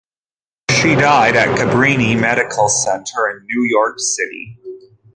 She died at Cabrini Medical Center in New York City.